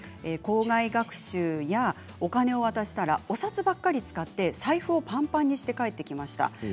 校外学習やお金を渡したらお札ばかり使って財布をパンパンにして帰ってきました。